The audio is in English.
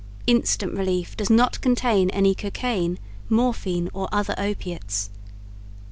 Instant Relief does not contain any cocaine, morphine or other opiates.